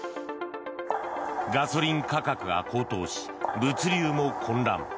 ガソリン価格が高騰し物流も混乱。